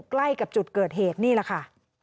ใกล้กับจุดเกิดเหตุนี่แหละค่ะ